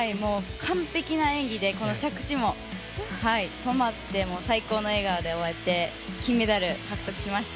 完璧な演技で着地も止まって最高の笑顔で終わって金メダル獲得しました。